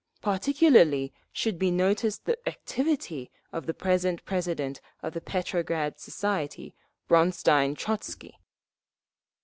Particularly should be noticed the activity of the present president of the Petrograd Soviet, Bronstein Trotzky….